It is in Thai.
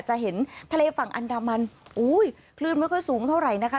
จะเห็นทะเลฝั่งอันดามันอุ้ยคลื่นไม่ค่อยสูงเท่าไหร่นะคะ